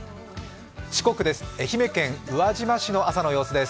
四国です、愛媛県宇和島市の朝の様子です。